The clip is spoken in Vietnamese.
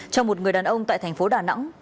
cho một người đàn ông tại thành phố đà nẵng